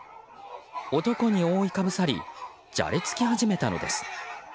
男に覆いかぶさりじゃれつき始めたのです。